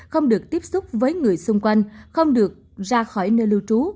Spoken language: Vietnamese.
không được tiếp xúc với người xung quanh không được ra khỏi nơi lưu trú